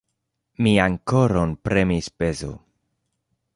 Mian koron premis pezo.